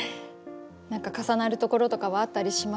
何か重なるところとかはあったりしますか？